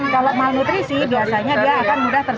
kalau malnutrisi biasanya dia akan mudah